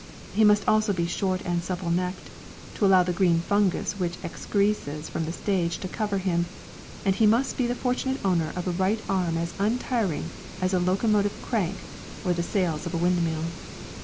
He must also be short and supple necked, to allow the green fungus which excresces from the stage to cover him; and he must be the fortunate owner of a right arm as untiring as a locomotive crank or the sails of a windmill.